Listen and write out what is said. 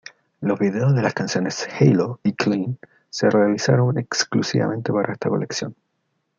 Los videos de las canciones "Halo" y "Clean" se realizaron exclusivamente para esta colección.